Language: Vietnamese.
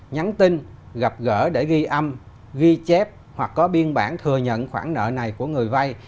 nhắn tin gặp gỡ để ghi âm ghi chép hoặc có biên bản thừa nhận khoản nợ này của người vay